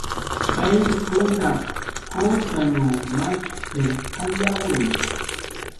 Qayllkunaq qucxanw mashqirqayawi